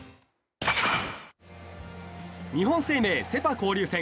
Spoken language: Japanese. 日本生命セ・パ交流戦。